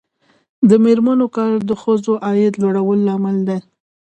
د میرمنو کار د ښځو عاید لوړولو لامل دی.